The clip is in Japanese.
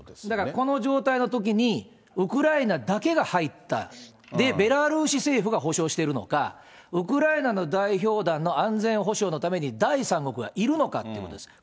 だからこの状態のときに、ウクライナだけが入った、で、ベラルーシ政府が保障しているのか、ウクライナの代表団の安全保障のために、第三国がいるのかっていうことです。